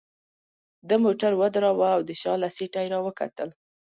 ده موټر ودراوه او د شا له سیټه يې راوکتل.